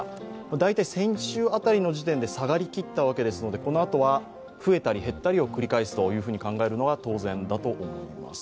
大体先週辺りの時点で下がりきったわけですのでこのあとは増えたり減ったりを繰り返すと考えるのが当然だと思います。